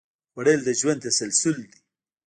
خوړل د ژوند تسلسل دی